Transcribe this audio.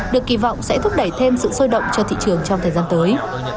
được kỳ vọng sẽ thúc đẩy thêm sự sôi động cho thị trường trong thời gian tới